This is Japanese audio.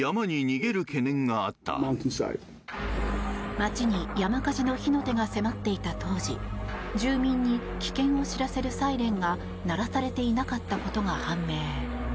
街に山火事の火の手が迫っていた当時住民に危険を知らせるサイレンが鳴らされていなかったことが判明。